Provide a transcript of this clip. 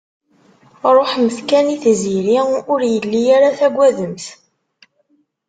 Ruḥemt kan i tziri, ur yelli ara tagademt.